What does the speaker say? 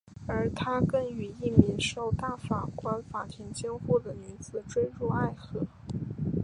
而且他更与一名受大法官法庭监护的女子堕入爱河。